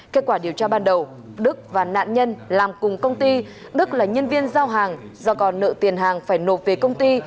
kết quả điều tra ban đầu đức và nạn nhân làm cùng công ty đức là nhân viên giao hàng do còn nợ tiền hàng phải nộp về công ty